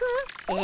え？